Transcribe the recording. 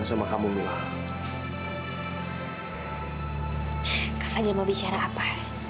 kak fadil mau bicara apa